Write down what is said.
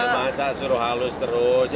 masa suruh halus terus